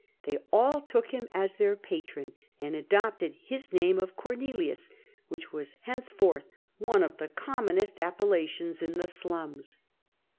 They all took him as their patron, and adopted his name of Cornelius, which was henceforth one of the commonest appellations in the slums.